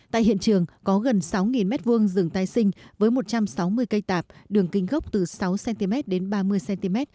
tại hiện trường có gần sáu m hai rừng tai sinh với một trăm sáu mươi cây tạp đường kinh gốc từ sáu cm đến ba mươi cm